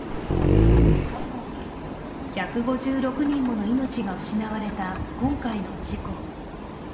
１５６人もの命が失われた今回の事故。